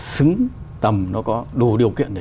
xứng tầm nó có đủ điều kiện để